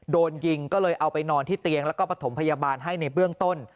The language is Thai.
โดนยิงก็เลยเอาไปนอนที่เตียงแล้วก็ประถมพยาบาลให้ในเบื้องต้น